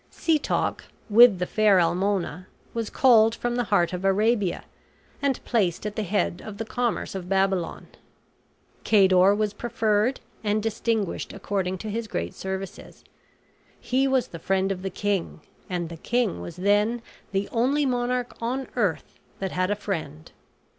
Setoc, with the fair Almona, was called from the heart of Arabia and placed at the head of the commerce of Babylon. Cador was preferred and distinguished according to his great services. He was the friend of the king; and the king was then the only monarch on earth that had a friend.